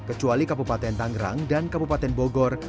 kecuali kabupaten tangerang dan kabupaten bogor